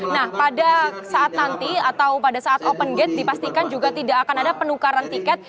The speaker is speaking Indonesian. nah pada saat nanti atau pada saat open gate dipastikan juga tidak akan ada penukaran tiket